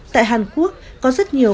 tại hàn quốc có rất nhiều người đàn ông